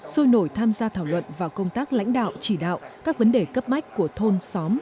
sôi nổi tham gia thảo luận vào công tác lãnh đạo chỉ đạo các vấn đề cấp bách của thôn xóm